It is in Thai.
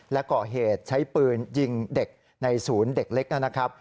และก่อเหตุใช้ปืนยิงเด็กในศูนย์เด็กเล็กนะครับ